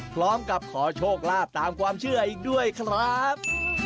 พร้อมกับขอโชคลาภตามความเชื่ออีกด้วยครับ